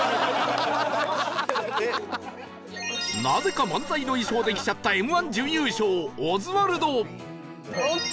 なぜか漫才の衣装で来ちゃった